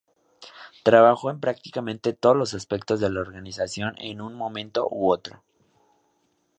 Trabajó en prácticamente todos los aspectos de la organización en un momento u otro.